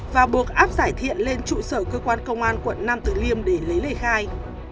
và buộc áp giải thiện lên trụ sở cơ quan công an quận nam tử liêm để lấy lời khai